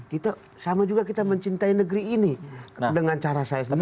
kita sama juga kita mencintai negeri ini dengan cara saya sendiri